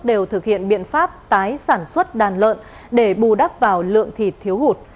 đều thực hiện biện pháp tái sản xuất đàn lợn để bù đắp vào lượng thịt thiếu hụt